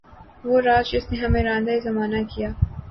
وہ راز جس نے ہمیں راندۂ زمانہ کیا